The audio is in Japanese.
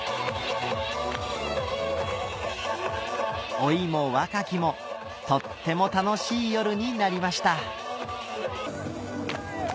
老いも若きもとっても楽しい夜になりました